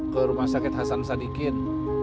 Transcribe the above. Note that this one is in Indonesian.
ke rumah sakit hasan sadikin